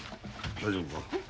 大丈夫か？